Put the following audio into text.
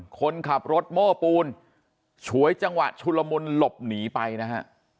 คนขับรถโม้ปูนฉวยจังหวะชุลมุนหลบหนีไปนะฮะ